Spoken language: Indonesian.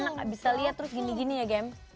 gak enak bisa lihat terus gini gini ya gem